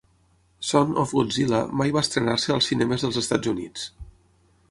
"Son of Godzilla" mai va estrenar-se als cinemes dels Estats Units.